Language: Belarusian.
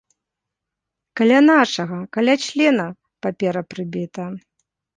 Каля нашага, каля члена, папера прыбіта.